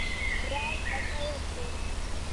افراز ګټور دی.